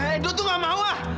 edo tuh gak mau ah